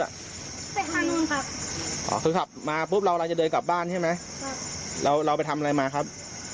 ไปทางนู้นครับอ๋อคือขับมาปุ๊บเราเราจะเดินกลับบ้านใช่ไหมเราเราไปทำอะไรมาครับ